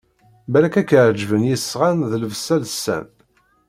Balak ad k-ɛeǧben yisɣan d llebsa lsan!